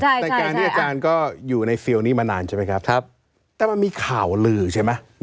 ในการที่อาจารย์ก็อยู่ในเฟลล์นี้มานานใช่ไหมครับแต่มันมีข่าวลือใช่ไหม